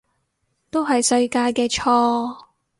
都係世界嘅錯